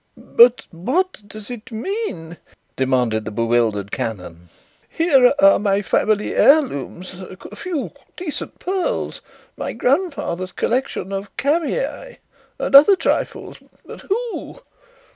"But what does it mean?" demanded the bewildered canon. "Here are my family heirlooms a few decent pearls, my grandfather's collection of camei and other trifles but who